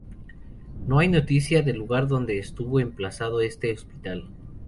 No hay noticia del lugar donde estuvo emplazado este hospital.